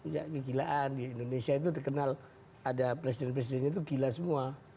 ya kegilaan di indonesia itu terkenal ada presiden presidennya itu gila semua